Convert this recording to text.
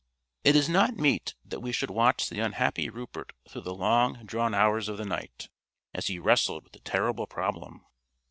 It is not meet that we should watch the unhappy Rupert through the long drawn hours of the night, as he wrestled with the terrible problem.